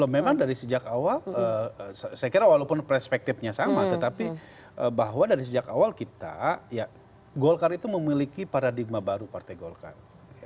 memang dari sejak awal saya kira walaupun perspektifnya sama tetapi bahwa dari sejak awal kita ya golkar itu memiliki paradigma baru partai golkar